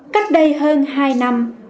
cách đây hơn hai năm